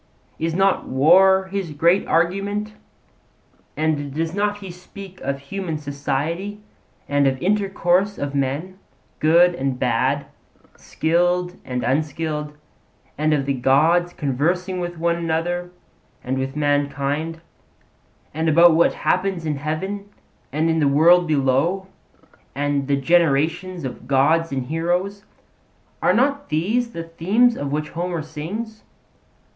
Is not war his great argument? and does he not speak of human society and of intercourse of men, good and bad, skilled and unskilled, and of the gods conversing with one another and with mankind, and about what happens in heaven and in the world below, and the generations of gods and heroes? Are not these the themes of which Homer sings?